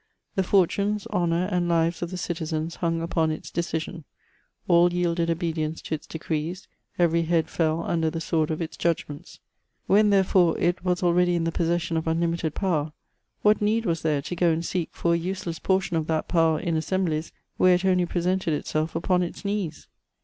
The fortunes, lionour, and lives of the citizens hung upon its decision ; all yielded obedience to its decrees ; every head fell under the sword of its judgments. When, therefore, it was already in the posses sion of unlimited "power, what need was there to go «nd seek for a useless portion of that power in assemblies, where it only pre sented itself upon its knees